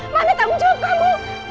mana tanggung jawab kamu